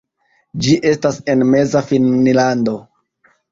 Ĝi estas en Meza Finnlando.